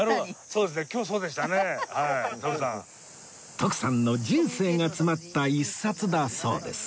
徳さんの人生が詰まった一冊だそうです